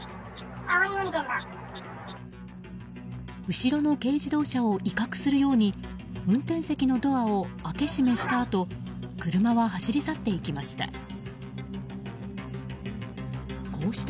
後ろの軽自動車を威嚇するように運転席のドアを開け閉めしたあと車は走り去っていきました。